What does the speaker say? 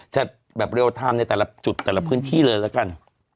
จะแบบเรียลไทม์ในแต่ละจุดแต่ละพื้นที่เลยละกัน